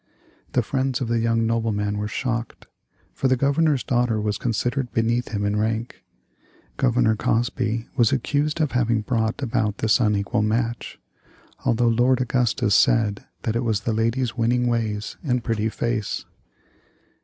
The friends of the young nobleman were shocked, for the Governor's daughter was considered beneath him in rank. Governor Cosby was accused of having brought about this unequal match, although Lord Augustus said that it was the lady's winning ways and pretty face.